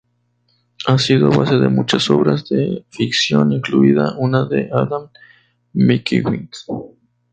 Ha sido base de muchas obras de ficción, incluida una de Adam Mickiewicz.